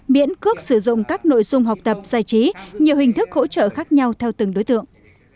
miễn cước sử dụng các nội dung học tập giải trí nhiều hình thức hỗ trợ khác nhau theo từng đối tượng